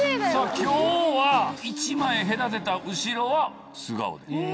今日は１枚隔てた後ろは素顔で。